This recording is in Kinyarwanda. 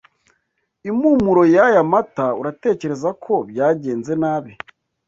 Impumuro y'aya mata. Uratekereza ko byagenze nabi?